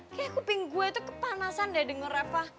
kayak kuping gue tuh kepanasan deh denger reva